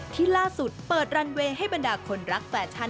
ที่ล่าสุดเปิดรันเวย์ให้บรรดาคนรักแฟชั่น